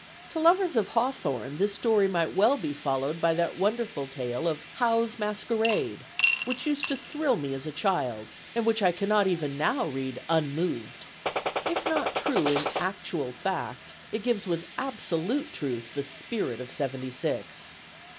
To lovers of Hawthorne, this story might well be followed by that wonderful tale of "Howe's Masquerade," which used to thrill me as a child, and which I cannot even now read unmoved. If not true in actual fact, it gives with absolute truth the Spirit of Seventy Six.